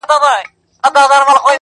سیاه پوسي ده خاوند یې ورک دی,